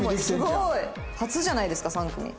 すごい初じゃないですか？